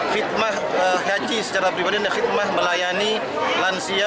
khitmah haji secara pribadi dan khidmat melayani lansia